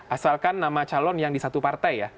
asalkan nama calon yang di satu partai ya